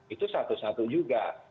itu satu satu juga